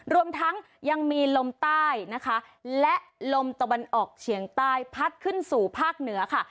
รวมทั้งยังมีลมใต้นะคะและลมตะวันออกเฉียงใต้พัดขึ้นสู่ภาคเหนือค่ะ